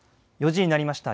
４時になりました。